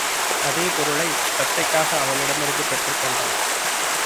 அதே பொருளைத் தத்தைக்காக அவனிடமிருந்தும் பெற்றுக் கொண்டாள்.